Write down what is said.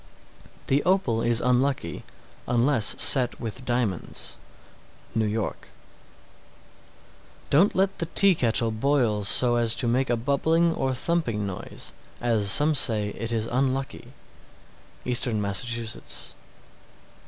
_ 674. The opal is unlucky, unless set with diamonds. New York. 675. Don't let the tea kettle boil so as to make a bubbling or thumping noise, as some say it is unlucky. _Eastern Massachusetts.